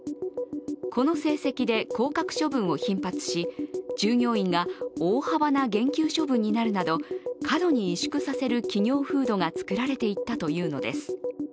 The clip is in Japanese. この成績で降格処分を頻発し従業員が大幅な減給処分になるなど過度に萎縮させる企業風土が作られていったというのです。